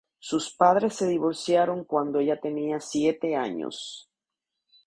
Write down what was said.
Sus padres se divorciaron cuando ella tenía siete años.